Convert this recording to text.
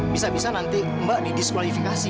bisa bisa nanti mbak didiskualifikasi